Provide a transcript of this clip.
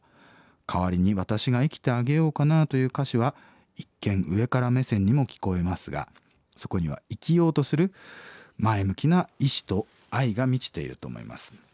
『代わりに私が生きてあげようかな』という歌詞は一見上から目線にも聞こえますがそこには生きようとする前向きな意思と愛が満ちていると思います」。